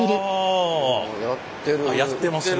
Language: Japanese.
やってますね。